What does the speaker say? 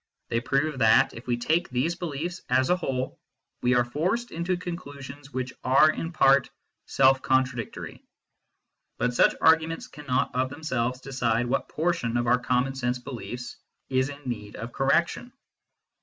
They prove that, if we take these beliefs as a whole, we are forced into conclusions which are in part self contradictory ; but such arguments cannot of them selves decide what portion of our common sense beliefs is in need of correction.